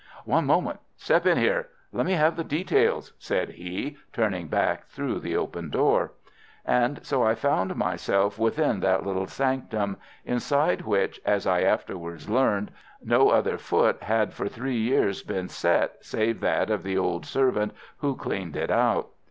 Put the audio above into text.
"One moment! Step in here! Let me have the details!" said he, turning back through the open door. And so I found myself within that little sanctum, inside which, as I afterwards learned, no other foot had for three years been set save that of the old servant who cleaned it out.